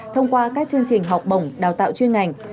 thông qua các chương trình học bổng đào tạo chuyên ngành